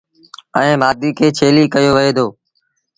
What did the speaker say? ائيٚݩ مآڌي کي ڇيليٚ ڪهيو وهي دو۔